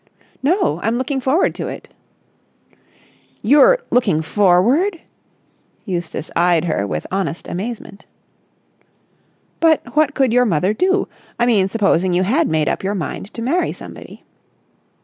"No, I'm looking forward to it!" "You're looking forward...!" Eustace eyed her with honest amazement. "But what could your mother do? I mean, supposing you had made up your mind to marry somebody."